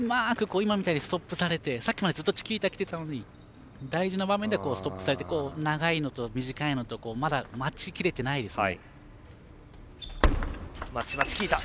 今みたいにストップされてさっきまでずっとチキータきてたのに大事な場面でストップされて長いのと短いのとまだ、待ちきれてないですね。